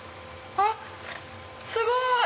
あっすごい！